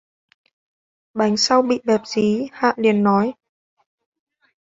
Bánh sau bị bẹp dí, Hạ liện nói